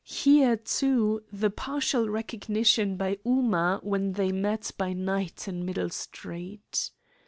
Hence, too, the partial recognition by Ooma when they met by night in Middle Street.